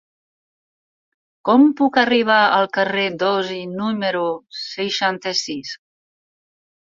Com puc arribar al carrer d'Osi número seixanta-sis?